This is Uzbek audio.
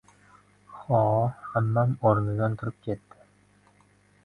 — Ho-o! — Ammam o‘rnidan turib ketdi.